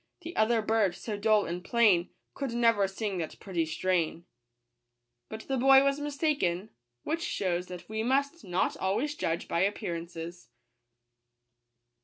The other bird, so dull and plai Could never sing that pretty strain But the boy was mistaken ; which shews that we must not always judge by appearances.